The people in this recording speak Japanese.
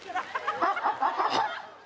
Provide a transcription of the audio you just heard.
ハハハハ！